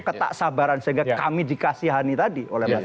ketaksabaran sehingga kami dikasihani tadi oleh masyarakat